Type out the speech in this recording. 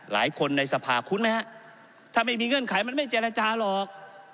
ลายคนในสภาครุฑนถ้าไม่มีเงื่อนไขมันไม่เจรจาหรอก